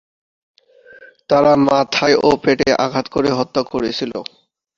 তারা মাথায় ও পেটে আঘাত করে হত্যা করেছিল।